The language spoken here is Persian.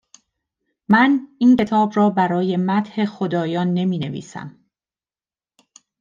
من این کتاب ر ا برای مدح خدایان نمی نویسم